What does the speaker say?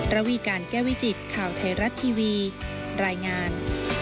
ระวีการแก้วิจิตข่าวไทยรัฐทีวีรายงาน